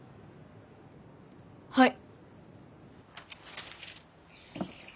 はい。